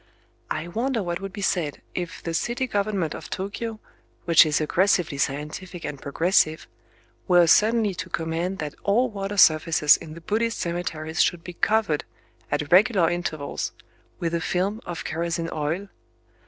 I wonder what would be said if the city government of Tōkyō—which is aggressively scientific and progressive—were suddenly to command that all water surfaces in the Buddhist cemeteries should be covered, at regular intervals, with a film of kerosene oil!